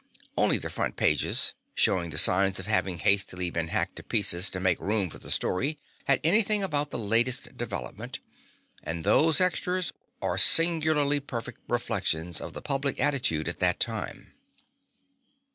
Only the front pages showing signs of having hastily been hacked to pieces to make room for the story had anything about the latest development, and those extras are singularly perfect reflections of the public attitude at that time.